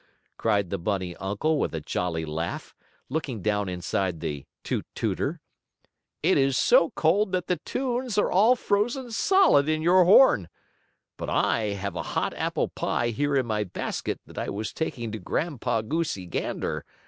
cried the bunny uncle with a jolly laugh, looking down inside the "toot tooter." "It is so cold that the tunes are all frozen solid in your horn. But I have a hot apple pie here in my basket that I was taking to Grandpa Goosey Gander.